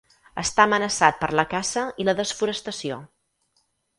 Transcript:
Està amenaçat per la caça i la desforestació.